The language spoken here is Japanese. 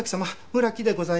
村木でございます。